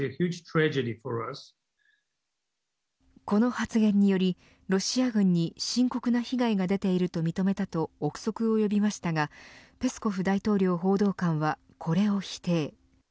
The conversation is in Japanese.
この発言により、ロシア軍に深刻な被害が出ていると認めたと臆測を呼びましたがペスコフ大統領報道官はこれを否定。